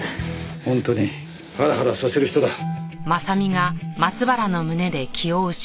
本当にハラハラさせる人だ。はあ。